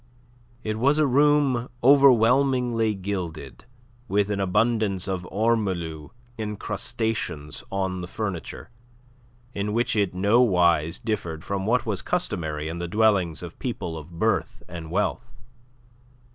It was a room overwhelmingly gilded, with an abundance of ormolu encrustations on the furniture, in which it nowise differed from what was customary in the dwellings of people of birth and wealth.